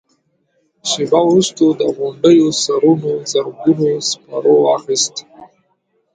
شېبه وروسته د غونډيو سرونو زرګونو سپرو واخيست.